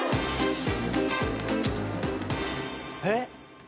えっ？